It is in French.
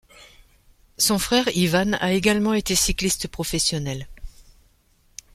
Son frère Ivan a également été cycliste professionnel.